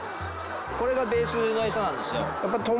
これがベースのエサなんですよ。